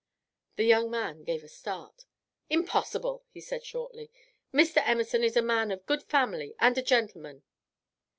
The young man gave a start. "Impossible!" he said shortly. "Mr. Emerson is a man of good family and a gentleman."